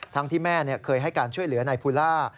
ที่แม่เคยให้การช่วยเหลือนายภูล่า